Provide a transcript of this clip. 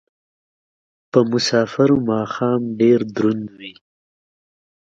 په مسافرو ماښام ډېر دروند وي